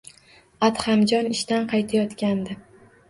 Adhamjon ishdan qaytayotgandi